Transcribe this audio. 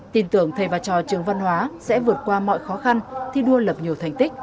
tin tưởng thầy và trò trường văn hóa sẽ vượt qua mọi khó khăn thi đua lập nhiều thành tích